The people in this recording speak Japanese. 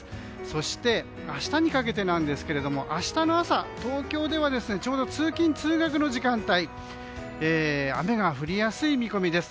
そして明日にかけてですけども明日の朝東京ではちょうど通勤・通学の時間帯雨が降りやすい見込みです。